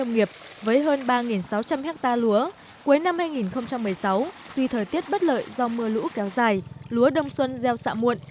nông nghiệp với hơn ba sáu trăm linh hectare lúa cuối năm hai nghìn một mươi sáu tuy thời tiết bất lợi do mưa lũ kéo dài lúa đông xuân gieo xạ muộn